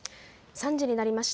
３時になりました。